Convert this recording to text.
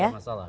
gak ada masalah